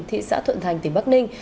thị xã thuận thành tỉnh bắc ninh